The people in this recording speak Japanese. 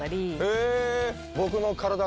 へぇ。